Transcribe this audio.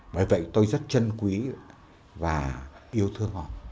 bởi vậy tôi rất chân quý và yêu thương họ